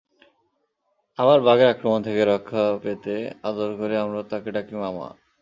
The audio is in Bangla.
আবার বাঘের আক্রমণ থেকে রক্ষা পেতে আদর করে আমরা তাকে ডাকি মামা।